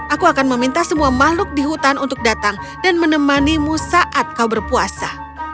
aku akan meminta semua makhluk di hutan untuk datang dan menemanimu saat kau berpuasa